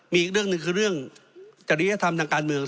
มีอีกเรื่องหนึ่งคือเรื่องจริยธรรมทางการเมือง